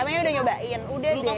emangnya udah nyobain udah deh